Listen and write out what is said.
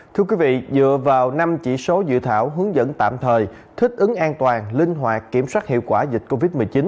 thưa quý vị dựa vào năm chỉ số dự thảo hướng dẫn tạm thời thích ứng an toàn linh hoạt kiểm soát hiệu quả dịch covid một mươi chín